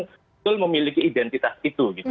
atau orang yang memiliki identitas itu